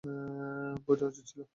বোঝা উচিত ছিল।